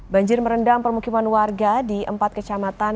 banjir merendam permukiman warga di empat kecamatan